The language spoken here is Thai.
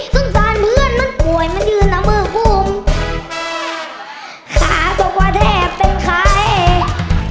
สงสารเพื่อนมันป่วยมันยืนเอามือกุมตาบอกว่าแทบเป็นใคร